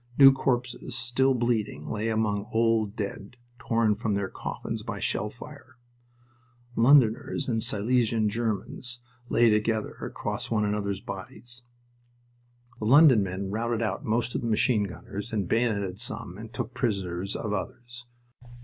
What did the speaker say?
New corpses, still bleeding, lay among old dead torn from their coffins by shell fire. Londoners and Siiesian Germans lay together across one another's bodies. The London men routed out most of the machine gunners and bayoneted some and took prisoners of others.